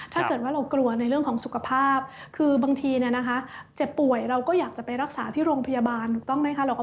ถ้าเกิดว่าเรากลัวในเรื่องของสุขภาพคือบางทีเนี่ยนะคะเจ็บป่วยเราก็อยากจะไปรักษาที่โรงพยาบาลถูกต้องไหมคะ